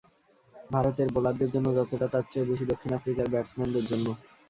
ভারতের বোলারদের জন্য যতটা, তার চেয়েও বেশি দক্ষিণ আফ্রিকার ব্যাটসম্যানদের জন্য।